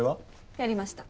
やりました。